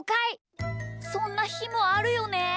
そんなひもあるよね。